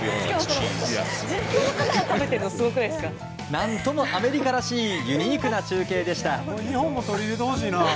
何ともアメリカらしいユニークな中継でした。